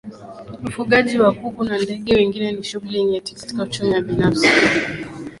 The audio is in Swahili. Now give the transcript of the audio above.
ufugaji wa kuku na ndege wengine ni shughuli nyeti katika uchumi wa binafsi